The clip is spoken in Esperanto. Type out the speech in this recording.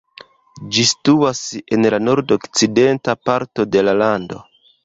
Ĝi situas en la nordokcidenta parto de la lando.